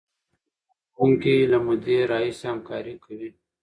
زده کوونکي له مودې راهیسې همکاري کوي.